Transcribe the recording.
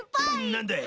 なんだい？